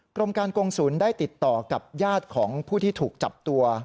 กรมการกงศูนย์ได้ติดต่อกับญาติของผู้ที่ถูกจับตัว